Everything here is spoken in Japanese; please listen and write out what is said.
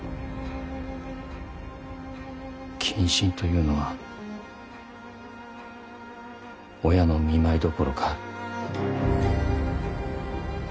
謹慎というのは親の見舞いどころか